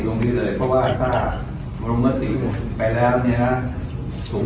แล้วมีความความความใดประคับหรือไม่นะครับใครเห็นว่าไม่ใช่หน้าหน้าที่ของ